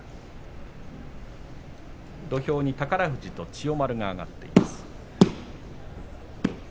土俵に宝富士と千代丸が上がっています。